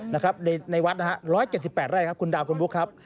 นะครับในวัดนะฮะ๑๗๘ไร่ครับคุณดาวคุณบุ๊คครับ